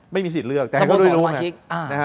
ไม่มีสิทธิ์เลือกแต่เขาก็ได้รู้นะ